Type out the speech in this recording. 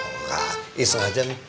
enggak iseng aja nih